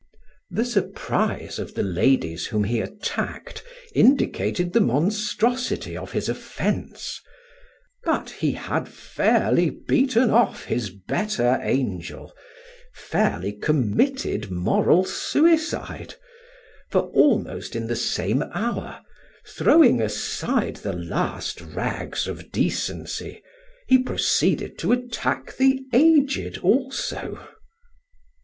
The surprise of the ladies whom he attacked indicated the monstrosity of his offence; but he had fairly beaten off his better angel, fairly committed moral suicide; for almost in the same hour, throwing aside the last rags of decency, he proceeded to attack the aged also.